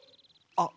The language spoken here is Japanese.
あっ。